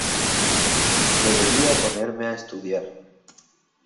Debería ponerme a estudiar.